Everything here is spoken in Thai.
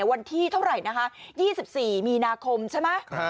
วันที่เท่าไหร่นะคะ๒๔มีนาคมใช่ไหม